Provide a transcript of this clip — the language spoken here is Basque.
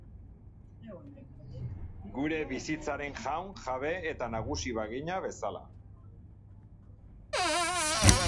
Geure bizitzaren jaun, jabe eta nagusi bagina bezala.